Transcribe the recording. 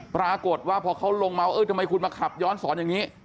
ปรากฏว่าพอเขาลงมาเออทำไมคุณมาขับย้อนสอนอย่างนี้